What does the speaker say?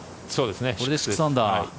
これで６アンダー。